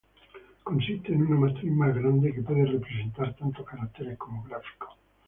Consiste en una matriz más grande, que puede representar tanto caracteres como gráficos.